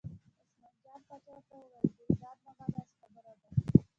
عثمان جان پاچا ورته وویل: ګلداد ماما داسې خبره ده.